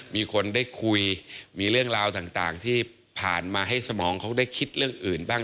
มีคนได้คุยมีเรื่องราวต่างที่ผ่านมาให้สมองเขาได้คิดเรื่องอื่นบ้าง